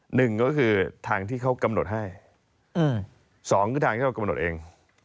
หนึ่งก็คือทางที่เขากำหนดให้สองคือทางที่เรากำหนดเอง